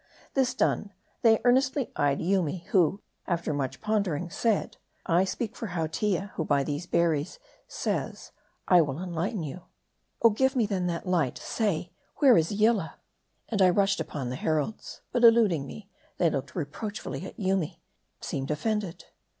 This done, they earnestly eyed Yoomy ; who, after much pondering, said " I speak for Hautia ; who by these ber ries says, I will enlighten you." "Oh, give me then that light ! say, where is Yillah ?" and I rushed upon the heralds. But eluding me, they looked reproachfully at Yoomy ; and seemed offended.